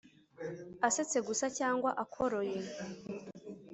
asetse gusa cyangwa akoroye